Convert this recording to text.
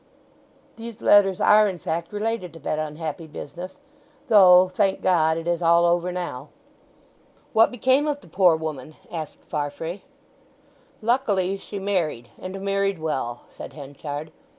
These letters are, in fact, related to that unhappy business. Though, thank God, it is all over now." "What became of the poor woman?" asked Farfrae. "Luckily she married, and married well," said Henchard.